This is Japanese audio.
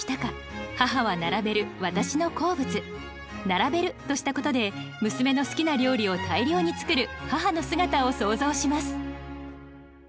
「並べる」としたことで娘の好きな料理を大量に作る母の姿を想像します。